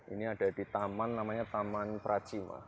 ini ada di taman namanya taman praciwa